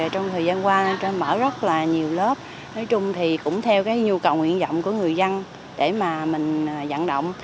trong thời gian qua mở rất nhiều lớp nói chung cũng theo nhu cầu nguyện dọng của người dân để mình dẫn động